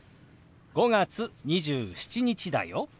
「５月２７日だよ」。